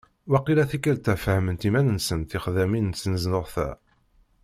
Waqila tikelt-a fahment iman-nsent txeddamin n tnezduɣt-a.